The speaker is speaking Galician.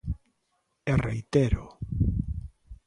E reitéroo.